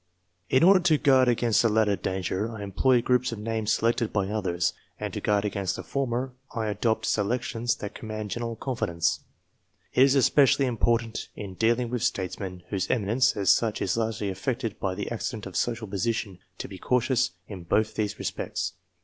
In order to guard against the latter danger, I employ groups of names selected by others; and, to guard against the former, I adopt selections that command general confidence. It is especially important in dealing with statesmen, whose eminence, as such, is largely affected by the accident of social position, to be cautious in both these respects.